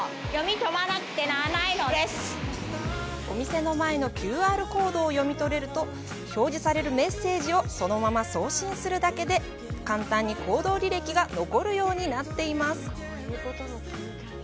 お店の前のＱＲコードを読み取ると表示されるメッセージをそのまま送信するだけで簡単に行動履歴が残るようになっています。